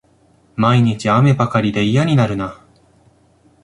毎日、雨ばかりで嫌になるな